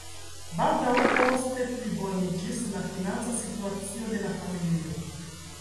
Baldaŭ poste pliboniĝis la financa situacio de la familio.